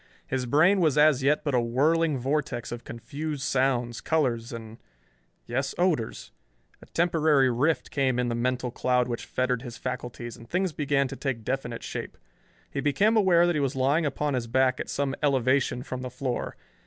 His brain was as yet but a whirling vortex of confused sounds, colors and yes, odors. A temporary rift came in the mental cloud which fettered his faculties, and things began to take definite shape. He became aware that he was lying upon his back at some elevation from the floor.